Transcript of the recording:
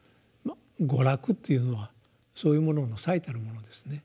「娯楽」っていうのはそういうものの最たるものですね。